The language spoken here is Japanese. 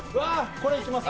これ、いきます！